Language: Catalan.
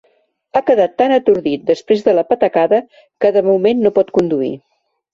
Ha quedat tan atordit després de la patacada que de moment no pot conduir.